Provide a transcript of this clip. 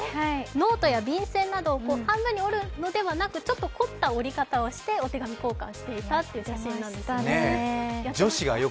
ノートや便せんなど半分に折るのではなくちょっと凝った折り方をしてお手紙交換していましたね。